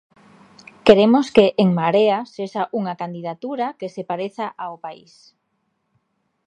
Queremos que En Marea sexa unha candidatura que se pareza ao país.